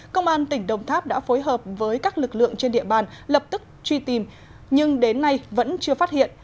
công an tỉnh đồng tháp đã phối hợp với các lực lượng trên địa bàn lập tức truy tìm nhưng đến nay vẫn chưa phát hiện